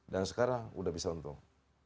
dan sekarang udah bisa untung